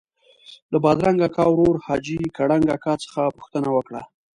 له بادرنګ اکا ورور حاجي کړنګ اکا څخه پوښتنه وکړه.